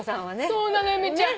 そうなの由美ちゃん。